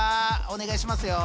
お願いしますよ。